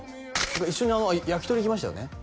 一緒に焼き鳥行きましたよね？